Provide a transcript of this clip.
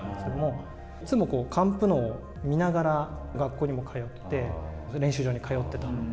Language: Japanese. いつもカンプノウを見ながら学校にも通って練習場に通っていた。